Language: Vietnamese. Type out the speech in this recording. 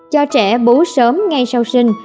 cho trẻ bú sớm ngay sau sinh